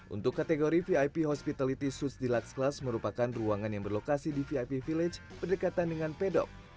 untuk kategori vip hospitality sus deluxed class merupakan ruangan yang berlokasi di vip village berdekatan dengan pedok